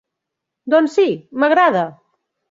Doncs sí, m'agrada!